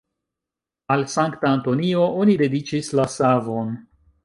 Al Sankta Antonio oni dediĉis la savon.